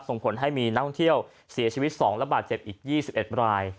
ส่งผลให้มีนักท่องเที่ยวเสียชีวิตสองและบาดเจ็บอีกยี่สิบเอ็ดไบล์